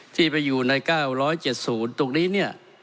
ที่ไปอยู่ใน๙๗๐ตรงนี้เนี่ย